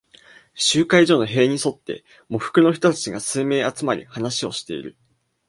集会所の塀に沿って、喪服の人たちが数名集まり、話をしている。